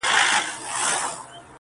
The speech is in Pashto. زه د تورسترگو سره دغسي سپين سترگی يمه!!